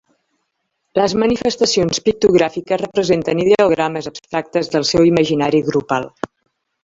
Les manifestacions pictogràfiques representen ideogrames abstractes del seu imaginari grupal.